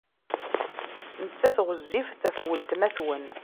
Nettat ɣezzifet ɣef weltma-twen.